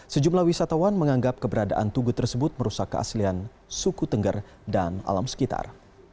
sejumlah wisatawan menganggap keberadaan tugu tersebut merusak keaslian suku tengger dan alam sekitar